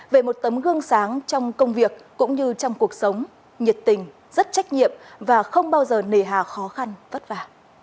về một tấm gương sáng trong công việc cũng như trong cuộc sống nhiệt tình rất trách nhiệm và không bao giờ nề hà khó khăn vất vả